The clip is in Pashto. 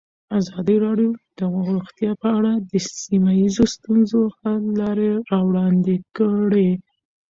ازادي راډیو د روغتیا په اړه د سیمه ییزو ستونزو حل لارې راوړاندې کړې.